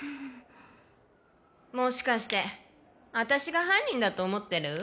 もしかしてアタシが犯人だと思ってる？